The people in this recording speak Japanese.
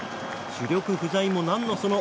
主力不在も何のその。